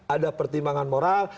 ada pertimbangan moral